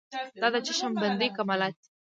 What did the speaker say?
دا د چشم بندۍ کمالات دي.